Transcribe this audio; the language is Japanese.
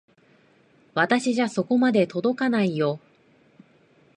私じゃそこまで届かないよ。